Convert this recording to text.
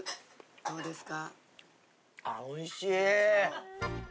どうですか？